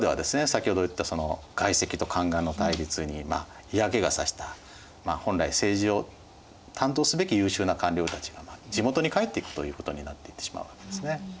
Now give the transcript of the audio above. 先ほど言った外戚と宦官の対立に嫌気が差した本来政治を担当すべき優秀な官僚たちが地元に帰っていくということになっていってしまうわけですね。